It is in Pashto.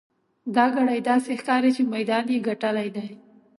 دا ګړی داسې ښکاري چې میدان یې ګټلی دی.